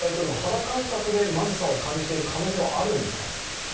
プーチン大統領、肌感覚でまずさを感じている可能性はあるんですか。